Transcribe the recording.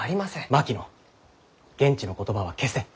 槙野現地の言葉は消せ。